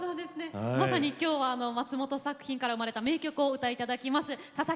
まさに今日、松本作品から生まれた名曲を歌っていただきます。